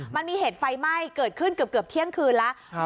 มันมีเหตุไฟไหม้เกิดขึ้นเกือบเที่ยงคืนแล้ว